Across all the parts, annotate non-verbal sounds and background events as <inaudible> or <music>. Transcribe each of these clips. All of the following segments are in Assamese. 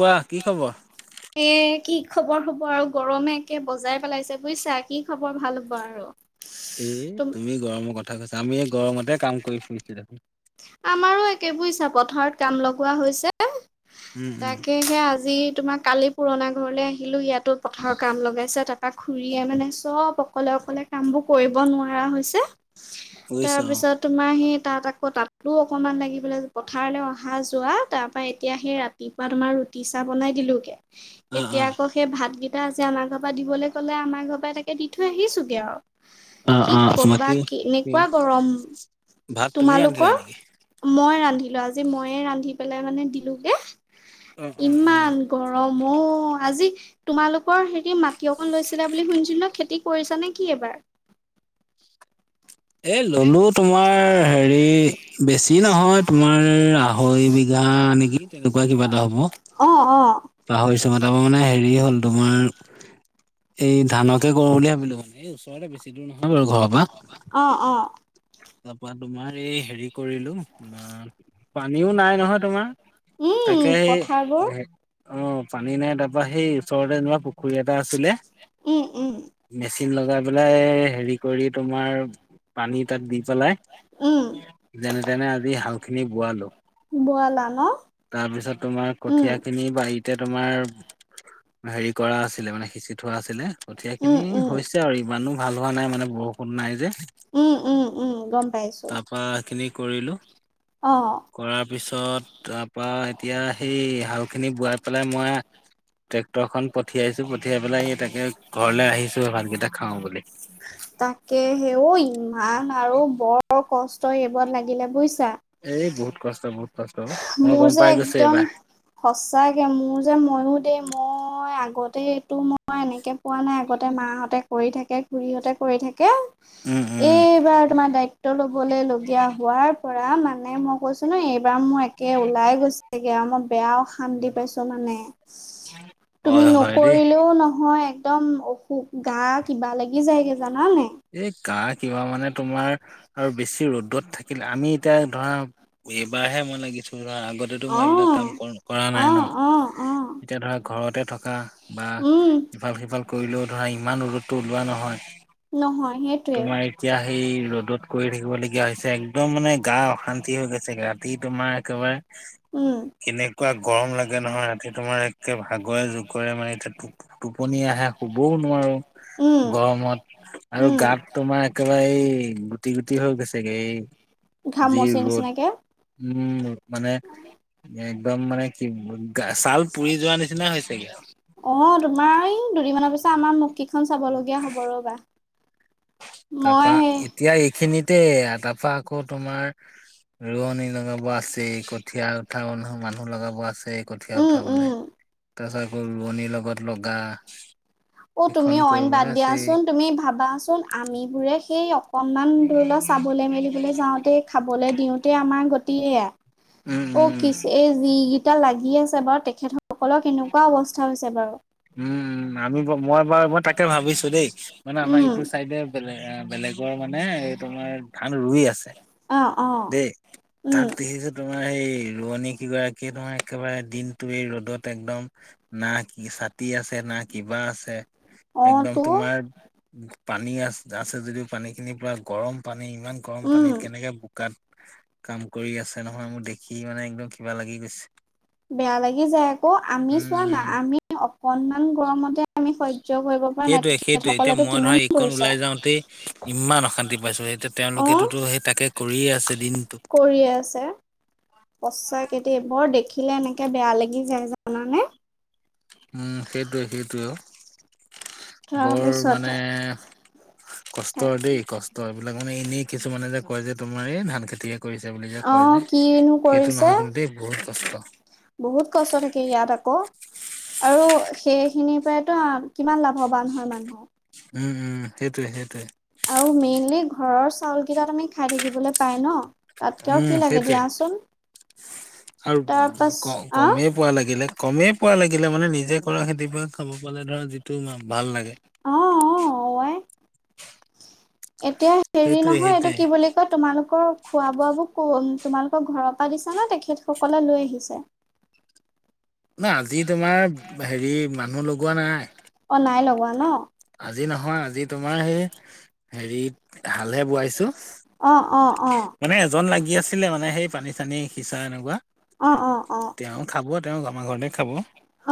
কোৱা কি খবৰ এ কি খবৰ হ'ব আৰু গৰমে একে বজাই পেলাইছে বুজিছা কি খবৰ ভাল হ'ব আৰু। এ তুম তুমি গৰমৰ কথা কৈছা আমি এই গৰমতে কাম কৰি ফুৰিছো দেখোন। আমাৰো একেবোৰ ইচ্ছা পথাৰত কাম লগোৱা হৈছে। উম উম তাকে সে আজি তোমাক কালি পুৰণা ঘৰলৈ আহিলো ইয়াতো পথাৰৰ কাম লগাইছে তাৰপৰা খৰিয়ে মানে চব অকলে- অকলে ক বোৰ কৰিব নোৱাৰা হৈছে বুজিছো তাৰপিছত তোমাৰ স তাত আকৌ তাতো অকণমান লাগিবলৈ পথাৰলৈ অহা যোৱা তাৰ পৰাৰা এতিয়া সেই ৰাতি ৰাতিপুৱা তোমাৰ ৰুটি চাহ বনাই দিলোগে অ অ এতিয়া আকৌ সেই ভাত গ এা আজ আমাৰ ঘৰ পৰা দলৈ ক'লে আমাৰ ঘৰ পৰা তাকে দি থৈ আহিছোগে আৰু। অ কি অ অ ক' বা বাকী কি এনেকুৱা গৰম ভাত তুমি ৰান্ধিলা তোমালোকৰ নেকি? মই ৰান্ধো। নো আজি মইয়ে ৰান্ধি পেলাই মানে দিলোগে অ অ অ ইমান গৰম। ম আজি তোমালোকৰ হেৰি মাটি অকন লৈছিলা বুলি শুনিছিলো ন খেতি কৰিছা নে কি এইবাৰ <inaudible> এ ললো তোমাৰ হেৰি বেছি নহয় তোমাৰ আঢ়ৈ বিঘা। গা নেকি তেনেকুৱা কিবা এটা হব অ অ পাহৰিছ তোমাৰ তপ পৰা মানে হেৰি হ'ল তোমাৰ। এই ধানকে কৰো বুলি ভাবিলো মানে এই ওচৰতে বেছি দূৰ নহয় বাৰু ঘৰৰ পৰা। অ-অ। তাৰপা তোমাৰ এই হেৰি কৰিলোম পানীও নাই নহয় তোমাৰ। উম তাকেই পথাৰবোৰ অ, পানী নাই তাৰপা সেই ওচৰতে যেনিবা পুখুৰী এটা আছিলে। উম উম মেচিন লগাই পেলাই হেৰি কৰি তোমাৰ পানী তাত দি পেলাই উম যেনে তেনে আজি হাল খিনি বোৱালো। বোৱালা ন তাৰপিছত তোমাৰ উম কঠিয় খিনি বাৰীতে তোমাৰ ভৰি কৰা আছিলে মানে সিচি থোৱা আছিলে কঠিয়া খিনি উম উম হৈছে আৰু ইমানো ভাল হোৱা নাই মানে বহুত ষূণ নাই যে। উম - উম। উম গম পাইছো তাৰ পৰাা সেইখিনি কৰিলো। অ কৰাৰ পিছত তাৰপা এতিয়া সেই উম, খিনি বোৱাই পেলাই মই ট্ৰেক্টৰ খ পঠিয়াইছো পঠিয়াই পেলাই ই তাকে ঘৰলৈ আহিছো ভালকেইটা খাও বুলি। ভান আৰু বৰ কষ্ট এইবোৰ লাগিলে বুজ এই বহুত কষ্ট বহুত কষ্ট মই মোৰ গম যে পাই গৈছো একদম এইবাৰ। সচাকে মোৰ যে মইো দেই মই মই আগতে এইটো মই এনেকে পোৱা নাই আগতে মাহতে কৰি থাকে ঘুুৰীহতে কৰি থাকে। উম কয়া উম এইবাৰ তোমাৰ দায়িত্ব লবলৈ লগীয়া হোৱাৰ পৰা মানে মই কৈছো ন এইবাৰ মোৰ। কে ওলাই গৈছেগে আৰু মই বেয়াও অশান্তি পাইছো মানে। তুমি হয় হয় দেই নকৰিলেও নহয়। নহয় একদম অসুখ গা কিবা লাগি যায়গে জানা নে। এই গা কিবা মানে তোমাৰ আৰু বেছি ৰ'দত থাকিলে আমি এতিয়া ধৰা এইবাৰহে মই লাগিছো ধৰা আগতেতো মই অ এইবিলাক কাম কৰা অ নাই ন। অ অ এতিয়া ধৰা ঘৰতে থকা বা উম ইফাল সিফাল কৰিলেও ধৰা ইমান ৰ'দতটো ওলোৱা নহয়। নহয়। সেইটোৱে তোমাৰ এতিয়া সেই ৰ'দত কৰি থাকিব লগীয়া হৈছে এক্দম মানে গা অশান্তি হৈ গৈছে। তোমাৰ একেবাৰে উম কেনেকুৱা গৰম লাগে নহয় ৰাতি তোমাৰ একে ভাগৰে জুগৰে মানে এতিয়া টো - টোপনি আহে শুবওঁ নোৱাৰো উম গৰমত আৰু উম গাত তোমাৰ একেবাৰে এই গুটি গুটি হৈ গৈছেগে এই যি ঘামুচিৰ ৰ'দ নিচিনাকে উম মানে একদম মানে কি ছাল পুৰি যোৱা নিচিনা হৈছেগে আৰু অ তোমাৰ এই দুদিনমানৰ পিছত আমাৰ মুখ কেইখন চাবলগীয়া হ'ব ৰ'বা মই তাৰপা সেই এতিয়া এইখিনিতে তাৰপা আকৌ তোমাৰ ৰোৱনী লগা আছেই কঠীয়া উঠা মানুহ লগাব আছেই কঠীয়া উম উঠাবলৈ উম তাৰপাছত আকৌ ৰোৱনীৰ লগত লগা অ তুমি এইখন অইন বাদ কৰিবলৈ আছেই দিয়াচোন তুমি ভাবাচোন আমিবোৰে সেই অকনমান ধৰিলোৱা চাবলৈ মেলিবলৈ যাওঁতেই খাবলৈ দিওঁতেই আমাৰ গতি এয়া উম অ উম কি এই যিকিটা লাগিলে চাবা তেখেত সকলৰ কেনেকুৱা অৱস্থা হৈছে বাৰু উমম আমি মই বাৰু মই তাকে ভাবিছো দেই মানে আমাৰ উম ইটো চাইডে বেলেগ এ বেলেগৰ মানে এই তোমাৰ ধান ৰুই আছে অ অ দেই উম তাত দেখিছোঁ তোমাৰ সেই ৰোৱনী কেইগৰাকীয়ে তোমাৰ একেবাৰে দিনটো এই ৰ'দত একদম না কি ছাত তি আছে না কিবা আছে অ একদম তো তোমাৰ পানী আছে আছে যদিও পানীখিনি পুৰা গৰম পানী ইমান গৰম উম পানীত কেনেকে বোকাত কাম কৰি আছে নহয় মোক দেখি মানে একদম কিবা লাগি গৈছে বেয়া লাগি যায় আকৌ আমি উম, চোৱা না উম। আমি অকনমান গৰমতে আমি সহ্য কৰিব পৰা নাই সেইটোৱে সেইটোৱে এতিয়া তেখেতসকলেতো মই ধৰা কিমান এইকণ কৰিছে ওলাই যাওঁতেই ইমান অশান্তি পাইছো এতিয়া অ তেওঁলোকেতোতো সেই তাকে কৰিয়ে আছে দিন কৰিয়ে আছে সঁচাকে দেই বৰ দেখিলে এনেকে বেয়া লাগি যায় জানানে উম সেইটোৱে সেইটোৱে অ বৰ মানে তাৰপিছতে কষ্টৰ তাকে দেই কষ্ট এইবিলাক মানে এনেই কিছুমানে যে কয় যে তোমাৰ এই ধান খেতিহে কৰিছে বুলি যে অ কয় যে কিনো সেইটো কৰিছে নহয় কিন্তু দেই বহুত কষ্ট বহুত কষ্ট থাকে ইয়াত আক আৰু সেইখিনিৰ পৰাইতো কিমান লাভৱান হয় মানুহক উম উম সেইটোৱে সেইটোৱে আৰু মেইনলি ঘৰৰ চাউল কেইটা তুমি খাই থাকিবলৈ পাই ন তাতকে আৰু উম কি লাগে সেইটোৱে দিয়াচোন আৰু তাৰ পাছ ক আহ কমেই পোৱা লাগিলে কমেই পোৱা লাগিলে মানে নিজে কৰা খেতিৰ পৰা খাব পালে ধৰা যিটো তোমাৰ ভাল লাগে অ অ <inaudible> এতিয়া হেৰি সেইটোৱে নহয় এইটো সেইটোৱে কি বুলি কয় তোমালোকৰ খোৱা বোৱা বোৰ কোন তোমালোকৰ ঘৰৰ পৰা দিছা নে তেখেতসকলে লৈ আহিছে নাই আজি তোমাৰ হেৰি মানুহ লগোৱা নাই পোৱা ন আজি নহয় আজি তোমাৰ সেই হেৰিত ভালহে বোৱাইছো অ অ অ মানে এজন লাগি আছিলে মানে সেই পানী চানী সিচা এনেকুৱা অ অ তেওঁ খাব তেওঁ আমাৰ ঘৰতে খাব।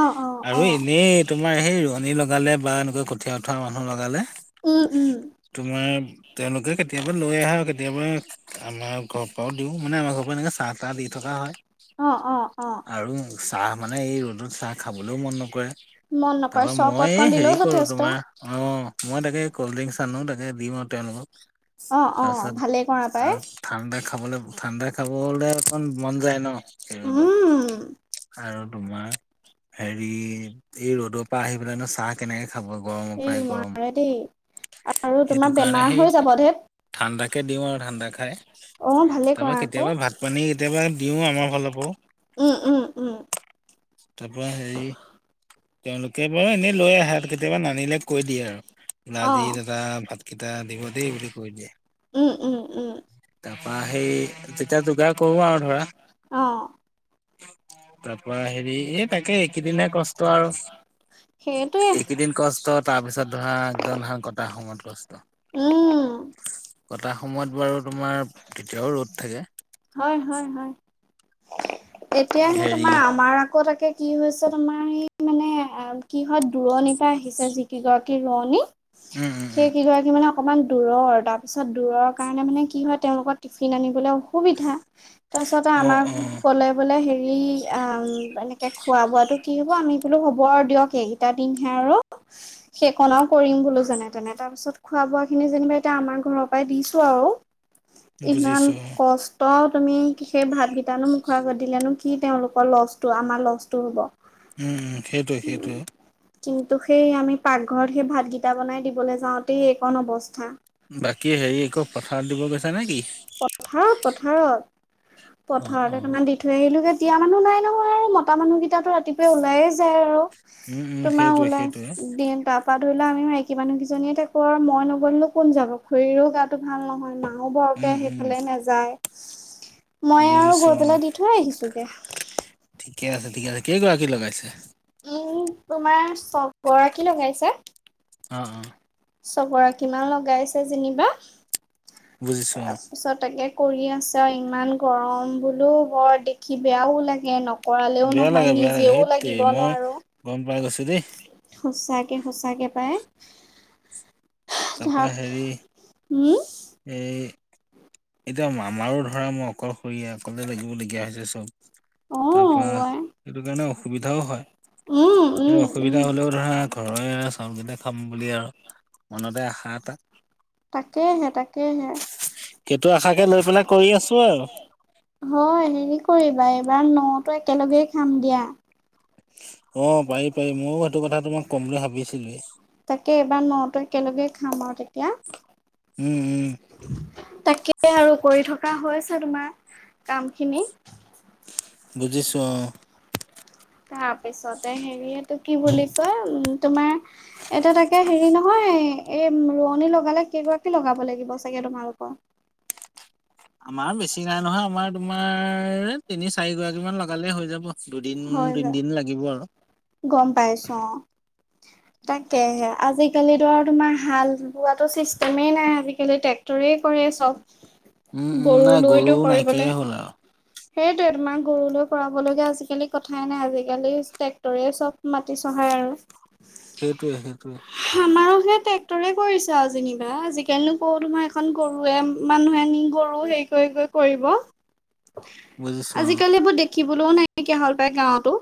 অ অ আৰু অ অ এনেই তোমাৰ সেই ৰোৱনী লগালে বা এনেকুৱা ক কঠিয়া উঠোৱা মানুহ লগালে উম উম তোমাৰ তেওঁলোকে কেতিয়া বা লৈ আহে আৰু কেতিয়াবা আমাৰ ঘৰ পৰাও দিওঁ মানে আমাৰ ঘৰৰ পৰা এনেকৈ চাহ তাহ দি থকা হয় অ অ অ আৰু চাহ মানে এই ৰ'দত চাহ খাবলৈও মন নকৰে মন নকৰে তাৰপা মই চৰবতকণ হেৰি দিলেও কৰো যথেষ্ট তোমাৰ অ মই তাকে কল্ড ড্ৰিংকচ আনো তাকে দিম আৰু তেওঁলোকক! অ অ তাৰপিছত ভালেই কৰা পাই! আৰু ঠাণ্ডা খাবলৈ ঠাণ্ডা খাব হলে অকমান মন যায় ন ৰ'দত উম আৰু তোমাৰ হেৰি এই ৰ'দৰ পৰা আহি পেলাইনো চাহ কেনেকে খাব গৰমৰ এই পায় গৰম। নোৱাৰে দেই আৰু সেইটো তোমাৰ কাৰণে বেমাৰ সেই হৈ যাব দেৰ ঠাণ্ডাকে দিওঁ আৰু ঠাণ্ডা খাই। তাৰপা অ ভালেই কৰা আকৌ কেতিয়াবা ভাত পানী কেতিয়াবা দিও আমাৰ ফালৰ পৰাও! উম উম উম তাৰ পৰা হেৰি - - - তেওঁলোকে বাৰু এনেই লৈ আহে কেতিয়াবা নানিলে কৈ দিয়ে অ আজি দাদা ভাত কিতা দিব দেই বুলি কৈ দিয়ে। উম উম উম তাৰ পৰা সেই তেতিয়া যোগাৰ কৰোঁ আৰু ধৰা। অ তাৰপৰা হেৰি এই তাকে এইকে দিনহে কষ্ট আৰু। সেইটোৱে কেইদিন কষ্ট তাৰ পিছত ধৰা একদম ধান কটা সময়ত কষ্ট। উম কটা সময়ত বাৰু তোমাৰ তেতিয়াও ৰ'দ থাকে। হয় হয় হয় এতিয়া সে হেৰি তোমাৰ আমাৰ আকৌ তাকে কি হৈছে তোমাৰ এই মানে কি হয় দূৰণি পৰা আহিছে যিকিগৰাকী ৰোৱনী উম উম সেই উম কেইগৰাকী মানে অকমান দূৰৰ তাৰপিছত দূৰৰ কাৰণে মানে কি হয় তেওঁলোকৰ টিফিন আনিবলৈ সুবিধা তাৰপিছতে অ আমাৰ অ কলে বোলে হেৰি অ, এনে খোৱা বোৱাটো কি হ'ব আমি বোলো হ'ব আৰু দিয়ক এইকেইটা দিনহে আৰু সেইকনাও কৰিম বোলো যেনে তেনে তাৰ পিছত খোৱা বোৱা খিনি যেনিবা এতিয়া আমাৰ ঘৰৰ পৰাই দিছো আৰু। বুজিছো ত তুমি সেই ভাতকেইটানো মোখৰ আগত দিলেনো কি তেওঁলোকৰ লচটো আমাৰ লচটো হ'ব উম, উম, সেইটোয়ে সেইটোয়ে। কিন্তু সেই আমি পাকঘৰত সেই ভাতগিটা বনাই দিবলৈ যাওঁতেই এইকণ অৱস্থা। বাকী হেৰি আকৌ পথাৰ দিব গৈছা নে কি? পথাৰত পথাৰত অ অ পথাৰতে একণমান দি থৈ আহিলোগে। এতিয়া মানুহ নাই নহয় আৰু মতা মানুহকেইটাতো ৰাতিপুৱাই ওলায়ে যায় আৰু। উম উম তোমাৰ সেইটোৱে ওলাই সেইটোৱে দিন তাৰপা ধৰিলে আমি মানুহকেইজনীয়ে তেকৰ, মই নগলে কোন যাব খুৰীৰো গাটো ভাল নহয় মাও কে উম উম সেইফালে নাযায়। মই আৰু বুজিছো গৈ অ। পেলাই দি থৈ আহিছোগে। ঠিকে আছে ঠিকে আছে কেইগৰাকী লগাইছে? উম, তোমাৰ চগৰাকী লগাইছে। অ', অ', চগৰাকীমান লগাইছে যেনিবা বুজিছো অ তাৰপিছত তাকে কৰি আছে আৰু ইমান গৰম বোলো বৰ দেখি বেয়াও লাগে ন নকৰালেও বেয়া লাগে নহয় বেয়া নিজেও লাগিব নোৱাৰো। দে সঁচাকে সঁচাকে পায়। তাপা হেৰি উম, এ এতিয়া আমাৰো ধৰা মই অকলশৰীয়া অকলে লাগিবলগীয়া হৈছে চব। তাৰ পৰা অ', আই সেইটো কাৰণে অসুবিধাও উম, হয়। উম, উম। অসুবিধা হলেও ধৰা ঘৰৰে চাউলকেইটা খাম বুলি আৰু মনতে আশা এটা তাকেইহে তাকেইহে। সেইটো আশাকে লৈ পেলাই কৰি আছো আৰু হয় হেৰি কৰিবা এই এবাৰ নতো একেলগেই খাম দিয়া। অ', পাৰি পাৰি ময়ো সেইটো কথা তোমাক ক'ম বুলি ভাবিছিলোৱেই। তাকে এইবাৰ ন ত একেলগে খাম আৰু তেতিয়া। উম, উম, তাকে আৰু কৰি থকা হৈছে তোমাৰ কাম খিনি বুজিছোঁ অ', তাৰ পিছতে হেৰি এইটো কি বুলি কয় উম, তোমাৰ এটা তাকে হেৰি নহয় এই ৰোৱনী লগালে কেইগৰাকী লগাব লাগিব চাগে তোমালোকৰ? আমাৰ বেছি নাই নহয়, আমাৰ তোমাৰ তিনি চাৰিগৰাকী মান লগালেই হৈ যাব। দুদিন হয় যা তিনিদিন লাগিব গম পাইছো আৰু। অ। তাকেহে আজি আজিকালি ধৰা তোমাৰ হাল বোৱা চিষ্টেমেই নাই আজিকালি ট্ৰেক্টৰেই কৰে উম চব। উম গৰু নাই লৈতো নাইকিয়াই কৰিবলৈ হ'ল আৰু সেইটোয়ে তোমাৰ গৰুলৈ কৰাব লগীয়া আজিকালি কথাই নাই আজিকালি ট্ৰেক্টৰে চব মাটি চব অ', হয় আৰু সেইটোৱে সেইটোৱে টেক্টৰে কৰিছা আৰু যেনিবা আজিকালিনো কওঁ তোমাৰ এখন গৰুৱে মানুহে নি গৰু হেৰি কৰিব বুজিছোঁ শিকিবলৈও নাইকিয়া হল পায় গাঁৱতো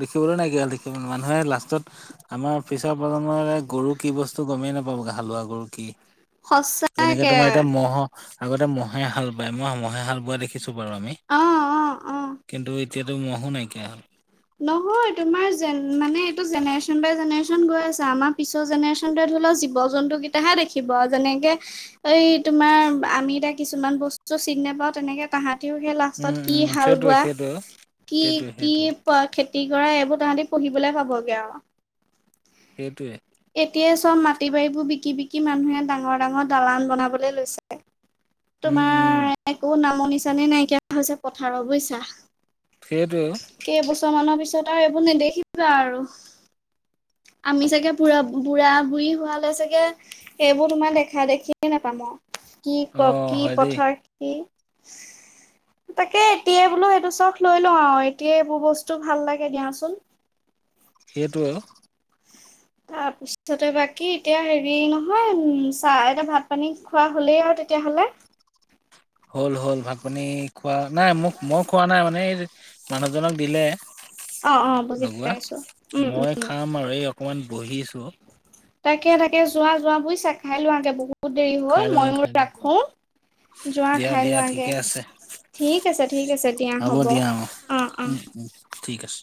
দেখিবলৈ নাইকীয়া দেখিবলৈ মানুহে লাষ্টত আমাৰ পিছৰ প্ৰজন্মৰে গৰু কি বস্তু গময়ে নাপাব হালোৱা গৰু কি যেনেকে সঁচাকে তোমাৰ এতিয়া মহ' আগতে মহে হাল বায়, মই মহে হাল বোৱা দেখিছো বাৰু আমি অ অ অ কিন্তু এতিয়াতো মহো নাইকিয়া হ'ল নহয় তোমাৰ জন মানে এইটো জেনেৰেশ্যন বাই জেনেৰেশ্যন গৈ আছে আমাৰ পিছৰ জেনেৰেশ্যন তোৱে ধৰিলওক জীৱ জন্তুকেইটাহে দেখিব যেনেকে এই তোমাৰ আমি এতিয়া কিছুমান বস্তু দিনে পা তেনেকে তাহাঁতিও সেই লাষ্টত উম কি উম হাল সেইটোৱে বোৱা সেইটোৱে কি, সেইটোৱে কি সেইটোৱে খেতি কৰা এইবোৰ তাহতি পঢ়িবলে পাবগে আৰু সেইটোৱে এতিয়াই চব মাটি বাৰীবোৰ বিকি, বিকি মানুহে ডাঙৰ ডাঙৰ দালান বনাবলৈ লৈছে উম উম তোমাৰ একো নামনি চানি নাইকিয়া হৈছে পথাৰৰ বুইছা সেইতো ই অ', বৰ মানৰ পিছত আৰু এইবোৰ নেদেখিবা আৰু আমি চাগে বুঢ়া, বুঢ়া, বুঢ়ী হোৱালে চাগে সেইবোৰ তোমাৰ দেখা দেখিয় নোপাম আৰু কি অ ক কি হয় দেই পথাৰ কি তাকে এতিয়াই বোলো সেইটো চখ লৈ লওঁ আৰু এতিয়াই এইবোৰ বস্তু ভাল লাগে দিয়াচোন <inaudible> সেইটোৱে অ', <inaudible> <inaudible> তাৰপিছতে বাকী এতিয়া হেৰি নহয় উম চাহ এটা ভাত পানী খোৱা হলেই আৰু তেতিয়া হলে হ'ল, হ'ল ভাত পানী খোৱা নাই মোক মই খোৱা নাই মানে এই মানুহজনক দিলে অ অ বুজি লগোৱা পাইছো উম উম মই খাম আৰু এই অকমান বহিছো। তাকে তাকে যোৱা যোৱা বুইচা খাই লোৱগে বহুত দেৰি খাই হ'ল লওঁ মই মোৰ খাই লওঁ ৰাখো। জোৱা দিয়া খাই দিয়া লোৱা আগে ঠিকে আছে ঠিক আছে ঠিক আছে দিয়া হ'ব অ' উম অ'। উম ঠিক আছে।